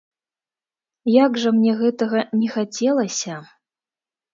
Як жа мне гэтага не хацелася.